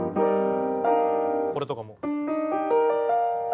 これとかも。